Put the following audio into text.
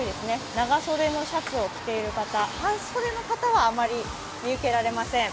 長袖のシャツを着ている方、半袖の方はあまり見受けられません。